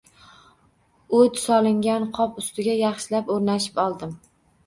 O`t solingan qop ustiga yaxshilab o`rnashib oldim